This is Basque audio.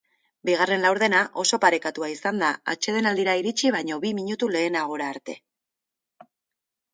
Bigarren laurdena oso parekatua izan da atsedenaldira iritsi baino bi minutu lehenagora arte.